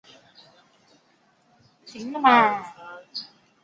属淮南东路。